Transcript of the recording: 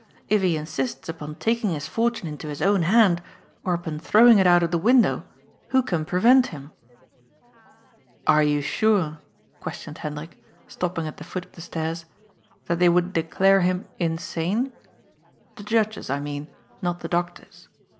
If he insists upon taking his fortune into his own hand, or upon throwing it out of window, who can prevent him ?" ^'Are you sure," questioned Hendrik, stopping at the foot of the stairs, ^Hhat they would declare him insane? The judges, I mean, not the doctors.